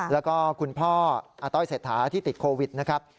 แล้วก็คุณพ่ออาต้อยเศรษฐาที่ติดโควิดนะครับ